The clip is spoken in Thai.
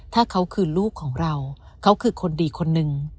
ถ้าเขาคือลูกของเราเขาคือคนดีคนนึง